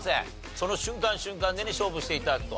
その瞬間瞬間で勝負して頂くと。